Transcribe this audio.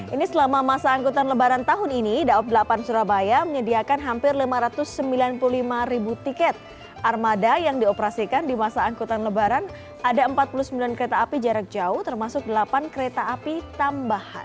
ini selama masa angkutan lebaran tahun ini daob delapan surabaya menyediakan hampir lima ratus sembilan puluh lima ribu tiket armada yang dioperasikan di masa angkutan lebaran ada empat puluh sembilan kereta api jarak jauh termasuk delapan kereta api tambahan